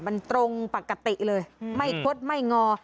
มันตรงปกติเลยไม่คดไม่งอ